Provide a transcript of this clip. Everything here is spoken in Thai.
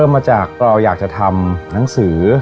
มาจากเราอยากจะทำหนังสือ